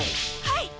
はい！